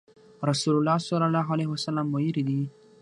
رسول الله صلی الله عليه وسلم ويلي دي :